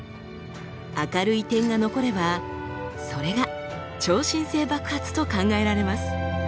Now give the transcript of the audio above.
明るい点が残ればそれが超新星爆発と考えられます。